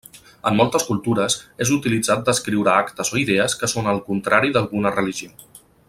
En moltes cultures, és utilitzat descriure actes o idees que són al contrari d'alguna religió.